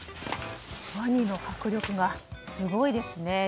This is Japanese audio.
ワニの迫力がすごいですね。